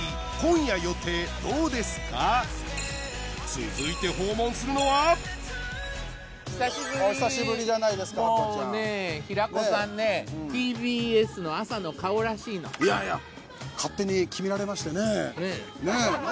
続いて訪問するのは久しぶりお久しぶりじゃないですかもうね平子さんねＴＢＳの朝の顔らしいのいやいやあっ